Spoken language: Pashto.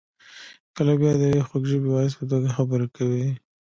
کله بیا د یوې خوږ ژبې واعظ په توګه خبرې کوي.